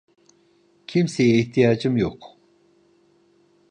Kimseye ihtiyacım yok…